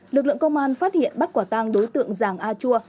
lực lượng công an phát hiện bắt quả tang đối tượng giàng a chua